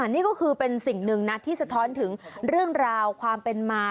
นี่ก็คือเป็นสิ่งหนึ่งนะที่สะท้อนถึงเรื่องราวความเป็นมา